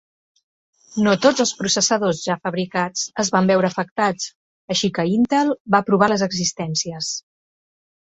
No tots els processadors ja fabricats es van veure afectats, així que Intel va provar les existències.